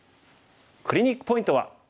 クリニックポイントは。